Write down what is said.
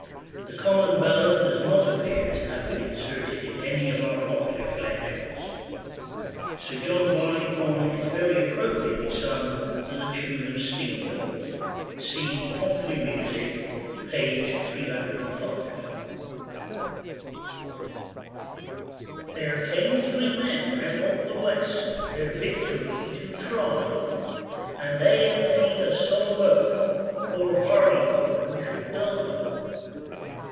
The common ballad does not appear to have been inserted in any of our popular collections. Sir John Barleycorn is very appropriately sung to the tune of Stingo. See Popular Music, p. 305.] THERE came three men out of the West, Their victory to try; And they have taken a solemn oath, Poor Barleycorn should die.